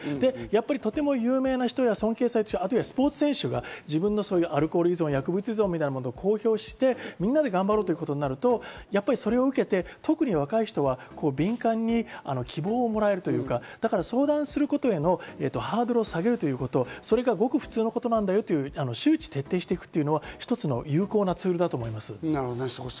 とても有名な人や尊敬されている人、あるいはスポーツ選手がアルコール依存や薬物依存などを公表して、みんなで頑張ろうとなると、それを受けて、特に若い人は敏感に希望をもらえるというか、相談することへのハードルを下げるということ、ごく普通のことなんだよということを周知徹底していくのは一つの有効なツールだと思います。